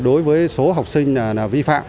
đối với số học sinh vi phạm